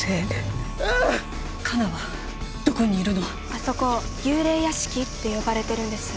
「あそこ幽霊屋敷って呼ばれてるんです」